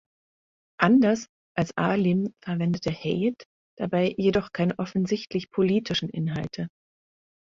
Anders als Alim verwendete Heyit dabei jedoch keine offensichtlich politischen Inhalte.